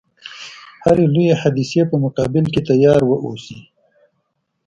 هري لويي حادثې په مقابل کې تیار و اوسي.